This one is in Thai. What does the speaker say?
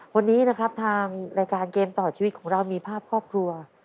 วันนี้นะครับทางรายการเกมต่อชีวิตของเรามีภาพครอบครัว